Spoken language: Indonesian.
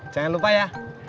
jangan lupa ya